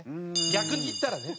逆にいったらね。